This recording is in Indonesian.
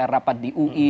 rapat di ui